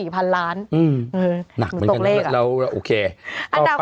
๒๙๔พันล้านหนักเหมือนกันน่ะแล้วโอเค